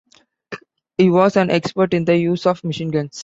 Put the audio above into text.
He was an expert in the use of machine-guns.